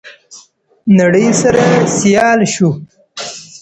نړۍ سره سيال شو.